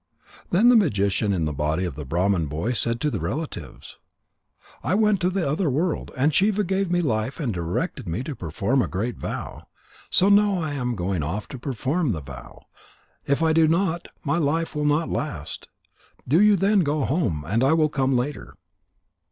Then the magician in the body of the Brahman boy said to the relatives: "I went to the other world, and Shiva gave me life and directed me to perform a great vow. So now I am going off to perform the vow. If I do not, my life will not last. Do you then go home, and I will come later."